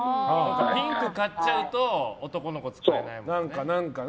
ピンク買っちゃうと男の子は使えないもんね。